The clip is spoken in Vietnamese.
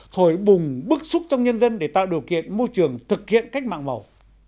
thổi bùng bức xúc trong nhân dân để tạo điều kiện môi trường thực hiện cách mạng màu